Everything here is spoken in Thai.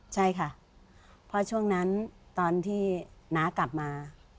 ใช่ค่ะเพราะช่วงนั้นตอนที่น้ากลับมา